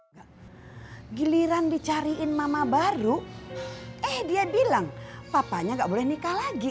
enggak giliran dicariin mama baru eh dia bilang papanya gak boleh nikah lagi